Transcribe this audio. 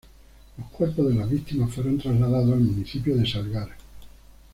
Los cuerpos de las víctimas fueron trasladados al municipio de Salgar.